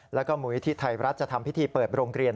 แล้วก็มุมวิทยาลัยการฯจะทำพิธีเปิดโรงเรียน